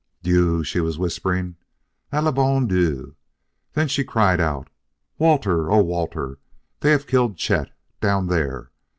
"Dieu!" she was whispering; "Ah, le bon Dieu!" Then she cried out: "Walter! Oh, Walter, they have killed Chet! Down there!"